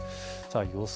予想